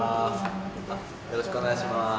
よろしくお願いします。